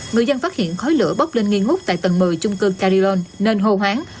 người dân phát hiện khói lửa bóp lên nghi ngút tại tầng một mươi chung cư carillon nên hồ hoáng